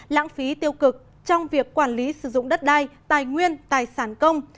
lãng phí tiêu cực trong việc quản lý sử dụng đất đai tài nguyên tài sản công